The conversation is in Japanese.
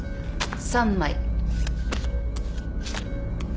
３枚。